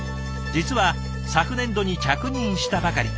実は昨年度に着任したばかり。